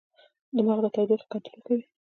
دماغ د تودوخې کنټرول کوي.